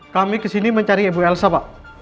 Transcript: kami kesini mencari ibu elsa pak